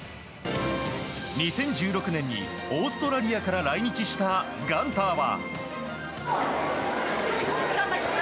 ２０１６年にオーストラリアから来日したガンターは。